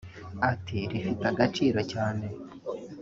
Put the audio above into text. Ati ‘’Rifite agaciro cyane